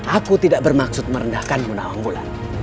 aku tidak bermaksud merendahkanmu naung bulan